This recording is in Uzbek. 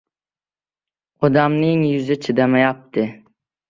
Odamning yuzi chidamayapti...